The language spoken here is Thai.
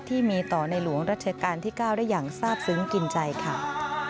ที่มีต่อในหลวงรัชกาลที่๙ได้อย่างทราบซึ้งกินใจค่ะ